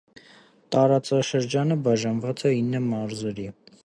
Տարածաշրջանը բաժանված է ինը մարզերի։